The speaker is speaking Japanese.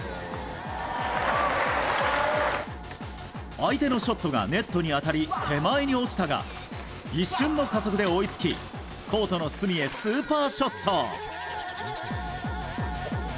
相手のショットがネットに当たり手前に落ちたが一瞬の加速で追いつきコートの隅へスーパーショット！